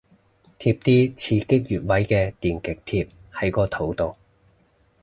貼啲刺激穴位嘅電極貼喺個肚度